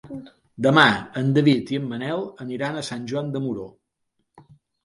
Demà en David i en Manel aniran a Sant Joan de Moró.